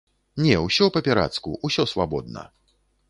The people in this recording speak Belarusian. Не, усё па-пірацку, усё свабодна.